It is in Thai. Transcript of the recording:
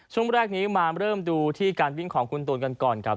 ช่วงแรกนี้มาเริ่มดูที่การวิ่งของคุณตูนกันก่อนครับ